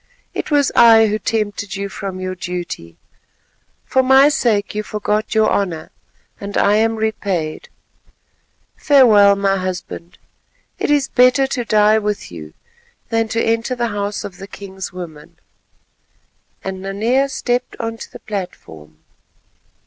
It was I who tempted you from your duty. For my sake you forgot your honour, and I am repaid. Farewell, my husband, it is better to die with you than to enter the house of the king's women," and Nanea stepped on to the platform.